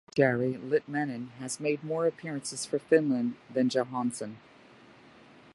Only Jari Litmanen has made more appearances for Finland than Johansson.